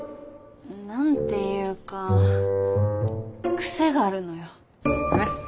何て言うか癖があるのよ。